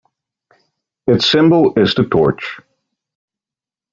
Its symbol is the torch.